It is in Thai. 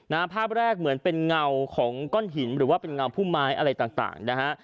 ภาพแรกเหมือนเป็นเงาของก้อนหินหรือว่าเป็นเงาผู้ไม้อะไรต่างต่างนะฮะ